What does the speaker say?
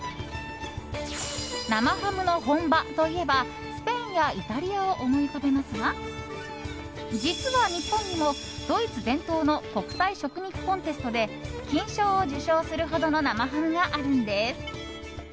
生ハムの本場といえばスペインやイタリアを思い浮かべますが実は、日本にもドイツ伝統の国際食肉コンテストで金賞を受賞するほどの生ハムがあるんです。